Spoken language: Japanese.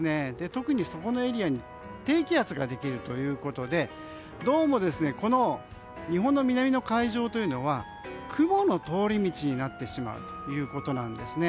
特にこのエリアに低気圧ができるということでどうも日本の南の海上というのは雲の通り道になってしまうということなんですね。